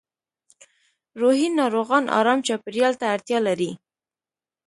روحي ناروغان ارام چاپېریال ته اړتیا لري